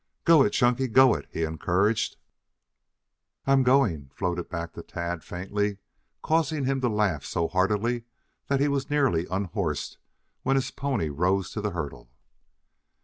"Go it, Chunky! Go it!" he encouraged. "I am going," floated back to Tad faintly, causing him to laugh so heartily that he was nearly unhorsed when his pony rose to the hurdle.